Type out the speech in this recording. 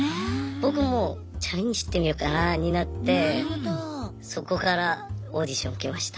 僕もチャレンジしてみようかなになってそこからオーディション受けました。